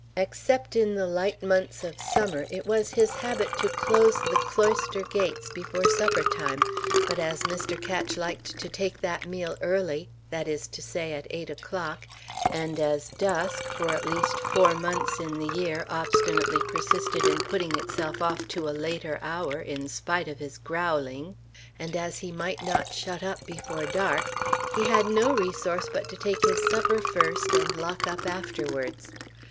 Except in the light months of summer, it was his habit to close the cloister gates before supper time; but as Mr. Ketch liked to take that meal early that is to say, at eight o'clock and, as dusk, for at least four months in the year, obstinately persisted in putting itself off to a later hour, in spite of his growling, and as he might not shut up before dusk, he had no resource but to take his supper first and lock up afterwards.